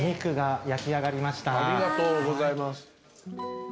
ありがとうございます。